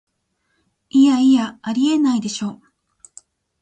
いやいや、ありえないでしょ